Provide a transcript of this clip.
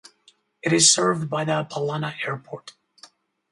It is served by the Palana Airport.